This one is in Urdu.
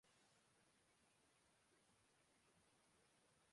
تعلیم کا بجٹ بڑھانے کا مطالبہ ٹوئٹر ٹرینڈز کی شکل میں بھی دیکھنے میں آیا